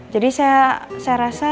jadi saya rasa